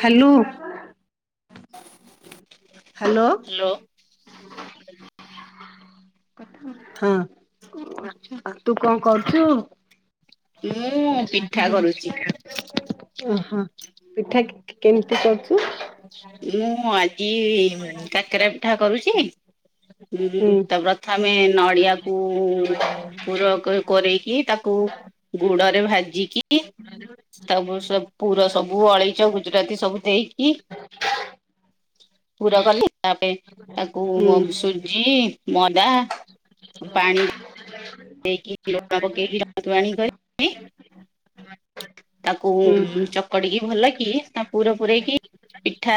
Hello. Hello. ହଁ ତୁ କଣ କରୁଛୁ। ମୁଁ ପିଠା କରୁଛି। ଓହୋ ପିଠା କେମିତି। କରଛୁ। ମୁଁ ଆଜି କାକେରା ପିଠା କରୁଛି ହୁଁ ତ ପ୍ରଥମେ। ନଡ଼ିଆକୁ ପୁର କରେଇକି ତାକୁ ଗୁଡରେ ଭାଜିକି ତାକୁ ପୁର ସବୁ ଅଳେଇଚ ଗୁଜୁରାତି ସବୁ ଦେଇକି। କି ପୁର କଲେ ତାପ ତାକୁ ହୁଁ ସୁଜି ଅଧା। [inaudible] ଦେଇକି ପକେଇ କରି ତାକୁ ହୁଁ ଚକଡିକି ଭଲ କିି ତା ପୁର ପୂରେଇକି ପିଠା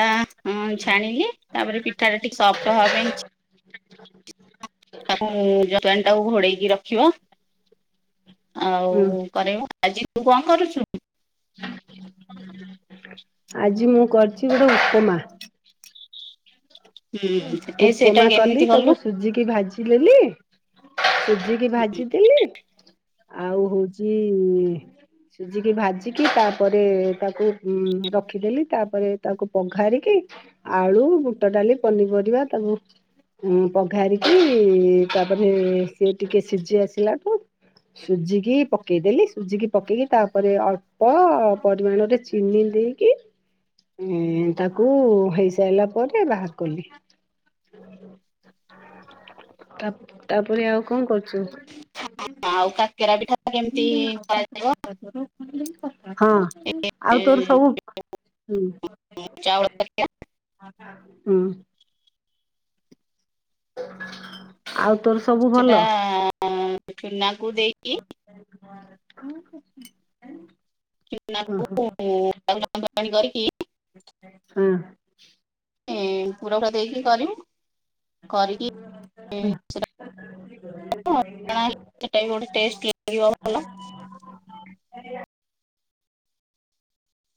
ଛାଣିଲି ତାପରେ ପିଠା ଟା ଟଠିକ ସଫ୍ଟ ହବା ପାଇଁ [unintelligible] ଯୋକାନ ଟାକୁ ଘୋଡେଇକି ରଖିବ। ହୁଁ ଆଉ କର ଆଜି ତୁ କଣ କରୁଛୁ? ଆଜି ମୁଁ କରିଛି ଗୋଟେ ଉପମା ହୁଁ ଏ ସେଇଟା ଉପମା କଲି କେମିତି ତାକୁ କଲୁ ସୁଜିକି ଭାଜିିଲେଲି ହୁ। ଭଜିକି ଭାଜିଦେଲେ ଆଉ ହଉଛି। ଜି ସିଝିକି ଭାଜିକି ତାପରେ ତାକୁ ରଖିଦେଲି ତାପରେ ତାକୁ ପଘାରିକି ଆଳୁ ବୁଟ ଡାଲି ପନିପରିବା ତାକୁ ପଘାରିକି ତାପରେ ସି ଟିକେ ସିଝି ଆସିଲାଠୁ ସୁଝିକି ପକେଇଦେଲି ସୁଝିକି ପକେଇକି ତାପରେ ଅଳ୍ପ ପରିମାଣରେ ଚିନି ଦେଇକି ତାକୁ ହେଇସାରିଲା ପରେ ବାହାର ତାପରେ ଆଉ କଣ କରୁଛୁ? ହଁ ଆଉ କାକେରା ପିଠା କେମିତି କରାଯିବ? [unintelligible] ହଁ ଏ ଆଉ ତୋର ସବୁ ହୁଁ ଚାଉଳ କାକେରା ହୁଁ। ଆଉ ତୋର ସବୁ ଭଲ? ସେଟା ଚୁନାକୁ ଦେଇ କି [unintelligible] ହଁ ହଁ [unintelligible] କରିକି ହଁ। ପୁର ଦେଇକି କରିବୁ କରିକି [unintelligible] ଅଲଣା ହେଇଛି ସେଇଟା ବି ଗୋଟେ ଟେଷ୍ଟ ଲାଗିବ ଭଲ।